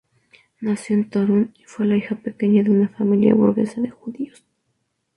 Nació en Toruń y fue la hija pequeña de una familia burguesa de judíos.